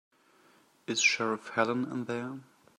Is Sheriff Helen in there?